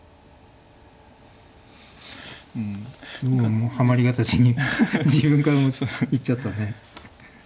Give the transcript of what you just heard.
もうハマリ形に自分からいっちゃったね。